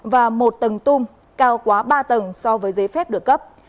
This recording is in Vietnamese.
và một tầng tung cao quá ba tầng so với giấy phép được cấp